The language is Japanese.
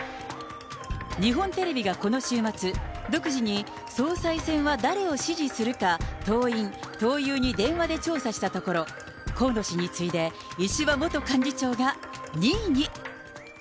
日本テレビがこの週末、独自に総裁選は誰を支持するか、党員・党友に電話で調査したところ、河野氏に次いで、石破元幹事長が２位に。